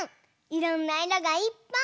いろんないろがいっぱい！